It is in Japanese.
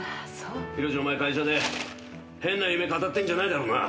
ヒロシお前会社で変な夢語ってんじゃないだろうな？